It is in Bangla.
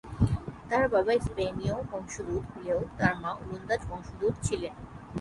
তার বাবা স্পেনীয় বংশোদ্ভূত হলেও তার মা ওলন্দাজ বংশোদ্ভূত ছিলেন।